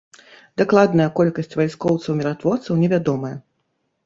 Дакладная колькасць вайскоўцаў-міратворцаў невядомая.